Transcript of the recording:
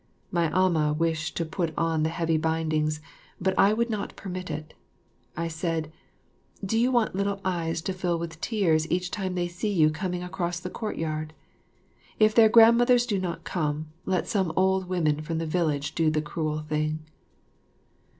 My amah wished to put on the heavy bindings, but I would not permit it. I said, "Do you want little eyes to fill with tears each time they see you coming across the courtyard? If their grandmothers do not come, let some old women from the village do the cruel thing."